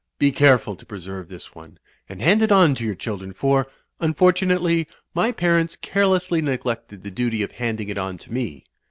Be careful to preserve this one, and hand it on to your children ; for, imfortunately, my parents carelessly neglected the duty of handing it on to me.